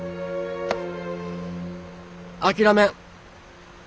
諦めん。